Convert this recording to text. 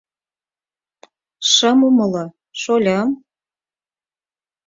— Шым умыло, шольым...